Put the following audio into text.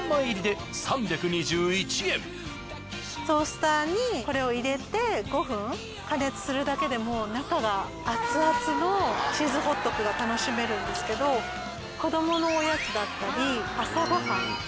トースターにこれを入れて５分加熱するだけでもう中がアツアツのチーズホットクが楽しめるんですけど子どものおやつだったり朝ご飯。